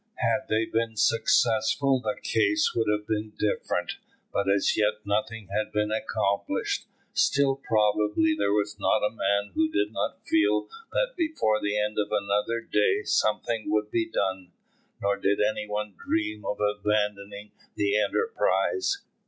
Had they been successful the case would have been different, but as yet nothing had been accomplished; still probably there was not a man who did not feel that before the end of another day something would be done, nor did any one dream of abandoning the enterprise.